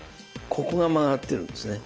ここが回ってるんですね。